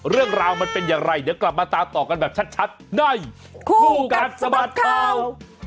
เรื่องราวมันเป็นอย่างไรเดี๋ยวกลับมาตามต่อกันแบบชัดในคู่กัดสะบัดข่าว